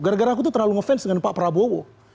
gara gara aku tuh terlalu ngefans dengan pak prabowo